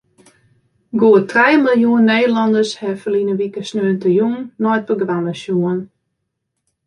Goed trije miljoen Nederlanners hawwe ferline wike sneontejûn nei it programma sjoen.